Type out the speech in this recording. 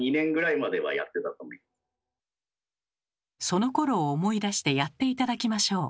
そのころを思い出してやって頂きましょう。